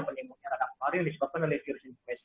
penimbulan radak pari yang disokong oleh virus influenza